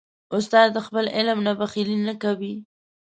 استاد د خپل علم نه بخیلي نه کوي.